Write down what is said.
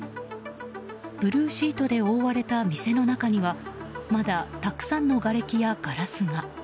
ブルーシートで覆われた店の中にはまだ、たくさんのがれきやガラスが。